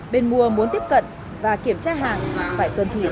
bên mua muốn tiếp cận và kiểm tra hàng phải tuần thủy quy định